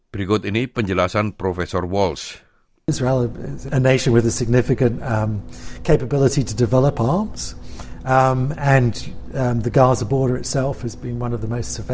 berikut ini penjelasan profesor walsh